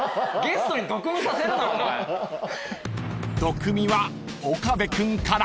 ［毒味は岡部君から］